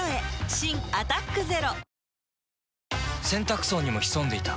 新「アタックＺＥＲＯ」洗濯槽にも潜んでいた。